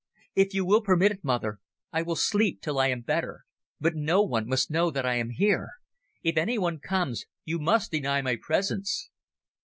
If you will permit it, mother, I will sleep till I am better, but no one must know that I am here. If anyone comes, you must deny my presence."